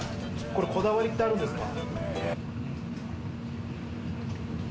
これこだわりってあるんですか？